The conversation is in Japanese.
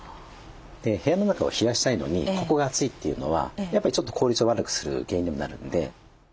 部屋の中を冷やしたいのにここが熱いというのはやっぱりちょっと効率を悪くする原因にもなるんで。